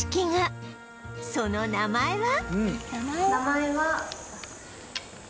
その名前は？